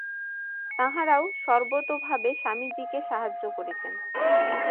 তাঁহারাও সর্বতোভাবে স্বামীজীকে সাহায্য করিতেন।